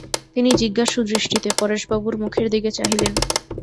তিনি জিজ্ঞাসু দৃষ্টিতে পরেশবাবুর মুখের দিকে চাহিলেন।